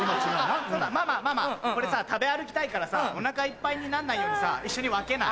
そうだママママこれさ食べ歩きたいからさお腹いっぱいになんないようにさ一緒に分けない？